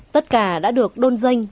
tất cả đã được đôn danh